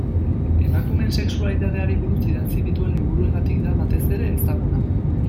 Emakumeen sexualitateari buruz idatzi dituen liburuengatik da, batez ere, ezaguna.